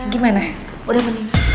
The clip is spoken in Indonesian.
gimana udah mendingan